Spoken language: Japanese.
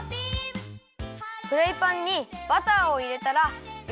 フライパンにバターをいれたらよ